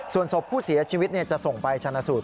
ส่วนศพผู้เสียชีวิตจะส่งไปชนะสูตร